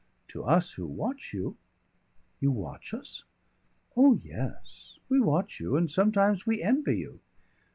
To us who watch you " "You watch us?" "Oh, yes. We watch you, and sometimes we envy you.